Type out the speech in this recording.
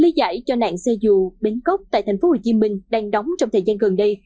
lý giải cho nạn xe dù bến cốc tại tp hcm đang đóng trong thời gian gần đây